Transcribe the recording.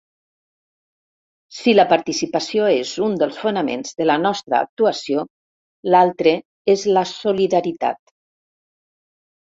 Si la participació és un dels fonaments de la nostra actuació, l’altre és la solidaritat.